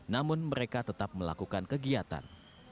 namun mereka tetap melakukan kegiatan